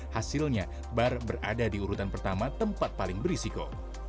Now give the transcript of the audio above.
hasilnya bar berada di urutan pertama tempat paling berisiko